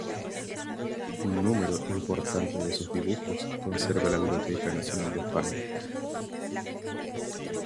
Un número importante de esos dibujos conserva la Biblioteca Nacional de España.